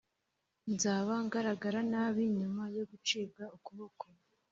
nzaba ngaragaranabi nyuma yo gucibwa ukuboko